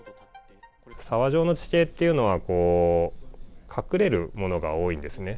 沢状の地形っていうのは、隠れるものが多いんですね。